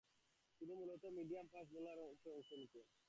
তিনি মূলতঃ মিডিয়াম-ফাস্ট বোলাররূপে অংশ নিতেন।